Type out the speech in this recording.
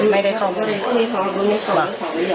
ไม่ได้เข้ามา